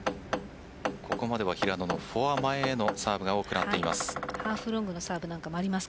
ここまでは平野のフォア前へのサーブが多くなっています。